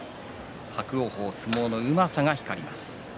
伯桜鵬は相撲のうまさが光ります。